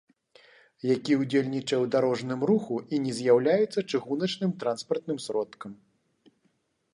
Які ўдзельнічае ў дарожным руху і не з'яўляецца чыгуначным транспартным сродкам